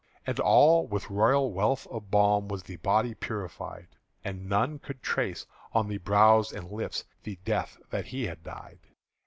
And all with royal wealth of balm Was the body purified; And none could trace on the brow and lips The death that he had died.